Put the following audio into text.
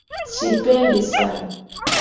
Sipendi sana.